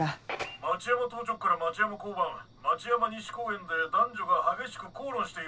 町山当直から町山交番町山西公園で男女が激しく口論しているもよう。